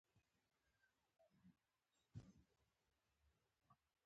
خو په کلیوالي سیمو او کرهنیزو فصلونو باندې